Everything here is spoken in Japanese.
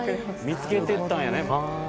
見つけてったんやね。